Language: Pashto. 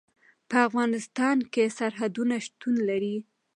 په افغانستان کې سرحدونه شتون لري.